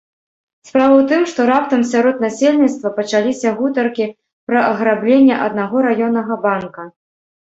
Справа ў тым, што раптам сярод насельніцтва пачаліся гутаркі пра аграбленне аднаго раённага банка.